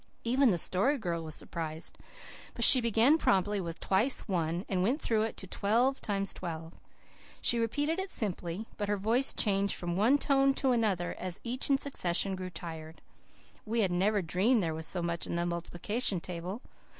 Even the Story Girl was surprised. But she began promptly, with twice one and went through it to twelve times twelve. She repeated it simply, but her voice changed from one tone to another as each in succession grew tired. We had never dreamed that there was so much in the multiplication table.